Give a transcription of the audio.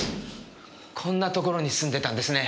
こんなところに住んでたんですね。